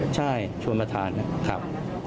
ใช่ชวนประธานนะครับ